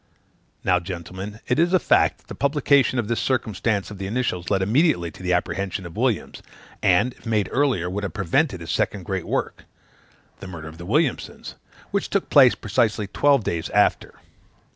Now, gentlemen, it is a fact that the publication of this circumstance of the initials led immediately to the apprehension of Williams, and, if made earlier, would have prevented his second great work, (the murder of the Williamsons,) which took place precisely twelve days after.